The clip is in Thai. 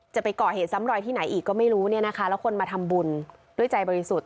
จะไปก่อเหตุซ้ำรอยที่ไหนอีกก็ไม่รู้เนี่ยนะคะแล้วคนมาทำบุญด้วยใจบริสุทธิ์